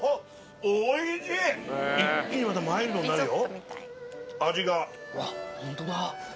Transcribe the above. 一気にまたマイルドになるよ味が。